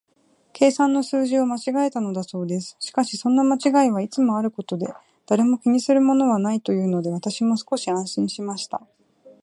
計算の数字を間違えたのだそうです。しかし、そんな間違いはいつもあることで、誰も気にするものはないというので、私も少し安心しました。